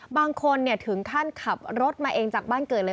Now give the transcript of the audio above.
บางคนถึงขั้นขับรถมาเองจากบ้านเกิดเลย